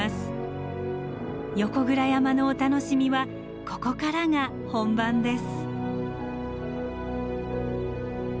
横倉山のお楽しみはここからが本番です。